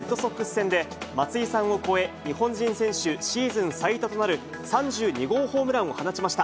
大谷選手はきょうのレッドソックス戦で、松井さんを超え、日本人選手シーズン最多となる３２号ホームランを放ちました。